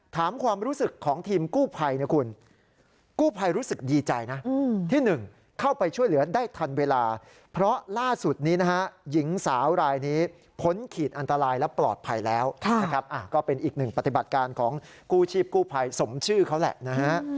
ถามความรู้สึกของทีมกู้ภัยคุณ